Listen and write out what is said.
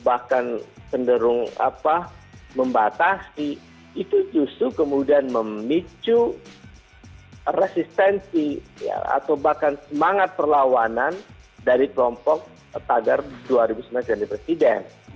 kepala pertama yang mengizinkan tifadnya bahkan penderung membatasi itu justru kemudian memicu resistensi atau bahkan semangat perlawanan dari kelompok tagar dua ribu sembilan kredit presiden